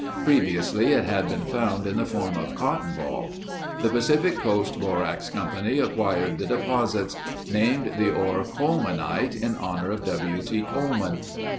Previously it had been found in the form of "cotton ball." The Pacific Coast Borax Company acquired the deposits; named the ore Colemanite in honor of W. T. Coleman.